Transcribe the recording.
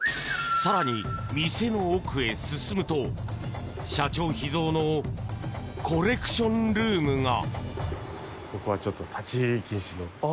更に店の奥へ進むと社長秘蔵のコレクションルームが。